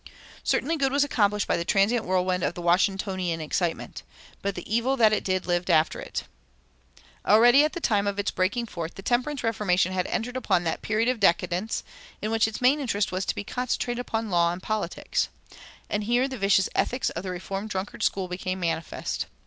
Certainly good was accomplished by the transient whirlwind of the "Washingtonian" excitement. But the evil that it did lived after it. Already at the time of its breaking forth the temperance reformation had entered upon that period of decadence in which its main interest was to be concentrated upon law and politics. And here the vicious ethics of the reformed drunkard school became manifest.